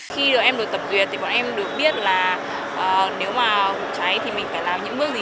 khi em được tập duyệt thì bọn em được biết là nếu mà phòng cháy thì mình phải làm những bước gì